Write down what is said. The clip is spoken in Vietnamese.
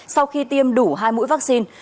sau khi tiêm đủ hai mũi vaccine